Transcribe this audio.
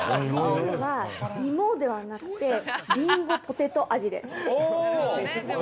◆実は、芋ではなくて、リンゴポテト味です。